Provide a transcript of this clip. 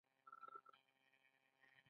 دوی پایپونه او لوښي جوړوي.